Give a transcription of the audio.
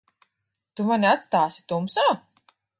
Tu mani atstāsi tumsā?